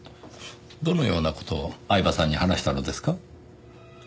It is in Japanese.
どのような事を饗庭さんに話したのですか？